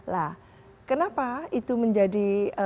lah kenapa itu menjadi fokus masyarakat